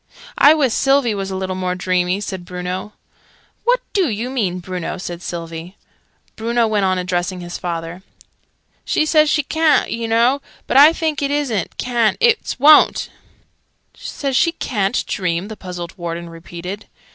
"I wiss Sylvie was a little more dreamy," said Bruno. "What do you mean, Bruno?" said Sylvie. Bruno went on addressing his father. "She says she ca'n't, oo know. But I thinks it isn't ca'n't, it's wo'n't." "Says she ca'n't dream!" the puzzled Warden repeated.